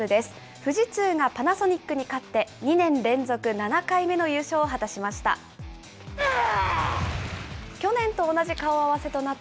富士通がパナソニックに勝って、２年連続７回目の優勝を果たしました。